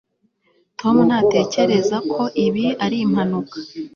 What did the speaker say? tom ntatekereza ko ibi ari impanuka